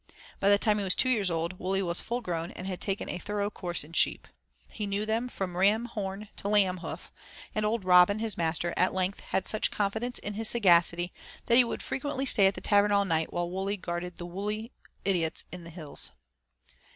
By the time he was two years old Wully was full grown and had taken a thorough course in sheep. He knew them from ram horn to lamb hoof, and old Robin, his master, at length had such confidence in his sagacity that he would frequently stay at the tavern all night while Wully guarded the woolly idiots in the hills.